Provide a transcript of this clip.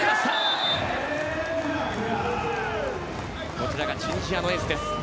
こちらがチュニジアのエース。